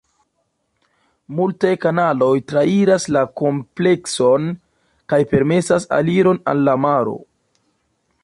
Multaj kanaloj trairas la komplekson kaj permesas aliron al la maro.